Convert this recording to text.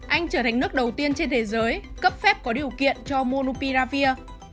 anh trở thành nước đầu tiên trên thế giới cấp phép có điều kiện cho monupiravir